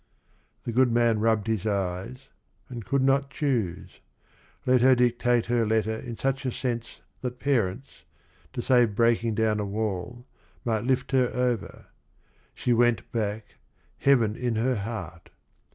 ' The good man rubbed his eyes and could not choose — Let her dictate her letter in such a sense That parents, to save breaking down a wall, Might lift her over : she went back, heaven in her heart.